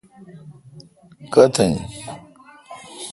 کتھ این۔